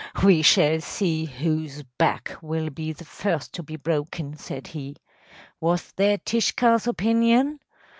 “We shall see whose back will be the first to be broken,‚ÄĚ said he. “Was that Tishka’s opinion?